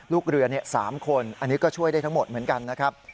ลูกเรือ๓คนอันนี้ก็ช่วยได้ทั้งหมดเหมือนกันนะครับ